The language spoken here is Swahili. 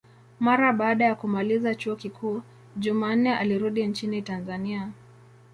Mara baada ya kumaliza chuo kikuu, Jumanne alirudi nchini Tanzania.